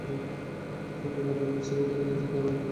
সঙ্গে বাটের স্থগিত নিষেধাজ্ঞা আছে আরও পাঁচ বছর, আসিফের দুই বছর।